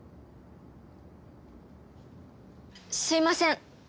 すいません！